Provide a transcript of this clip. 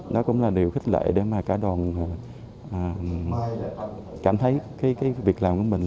nó cũng là điều khích lệ để mà cả đoàn cảm thấy cái việc làm của mình